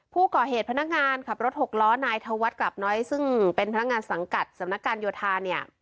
พนักงานขับรถหกล้อนายธวัฒน์กลับน้อยซึ่งเป็นพนักงานสังกัดสำนักการโยธาเนี่ย